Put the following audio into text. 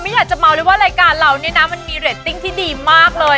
อยากจะเมาเลยว่ารายการเราเนี่ยนะมันมีเรตติ้งที่ดีมากเลย